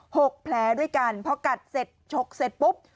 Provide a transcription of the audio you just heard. หกแผลด้วยกันพอกัดเสร็จฉกเสร็จปุ๊บ